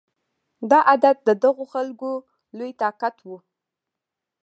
دا عادت د دغه خلکو لوی طاقت و